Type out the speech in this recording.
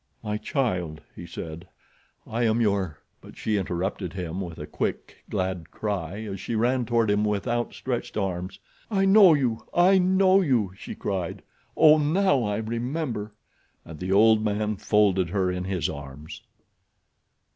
"My child," he said, "I am your—" But she interrupted him with a quick, glad cry, as she ran toward him with outstretched arms. "I know you! I know you!" she cried. "Oh, now I remember," and the old man folded her in his arms.